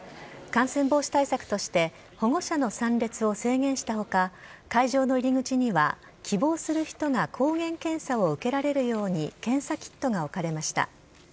感染防止対策として、保護者の参列を制限したほか、会場の入り口には希望する人が抗原検査を受けられるように検査キットが置かれました。